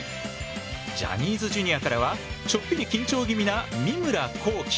ジャニーズＪｒ．からはちょっぴり緊張気味な三村航輝。